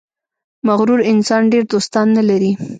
• مغرور انسان ډېر دوستان نه لري.